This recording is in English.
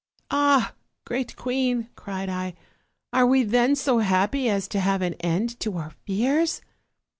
'Ah, great queen!' cried I, 'are we then so happy as to have an end to our fears?'